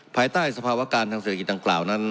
ภายใต้สภาวะการทางเศรษฐกิจดังกล่าวนั้น